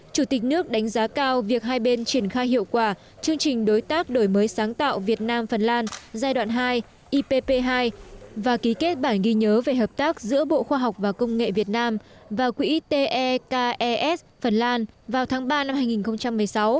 chủ tịch nước đánh giá cao việc hai bên triển khai hiệu quả chương trình đối tác đổi mới sáng tạo việt nam phần lan giai đoạn hai ipp hai và ký kết bản ghi nhớ về hợp tác giữa bộ khoa học và công nghệ việt nam và quỹ tes phần lan vào tháng ba năm hai nghìn một mươi sáu